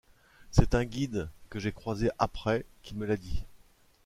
C’est un guide, que j’ai croisé après, qui me l’a dit.